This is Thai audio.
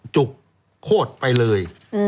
จุกโคตรไปเลย